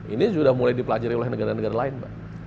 ini sudah mulai dipelajari oleh negara negara lain mbak